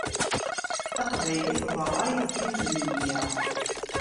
Taqbaylit d ṛṛay, ddin d neyya.